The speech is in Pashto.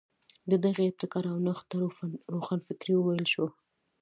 د دغې ابتکار او نوښت ته روښانفکري وویل شوه.